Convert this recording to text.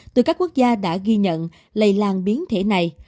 từ các quốc gia đã ghi nhận lây lan biến thể này